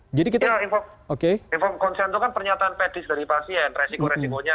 iya inform konsen itu kan pernyataan pedis dari pasien resiko resikonya